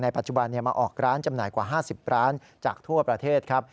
ปัจจุบันมาออกร้านจำหน่ายกว่า๕๐ร้านจากทั่วประเทศครับ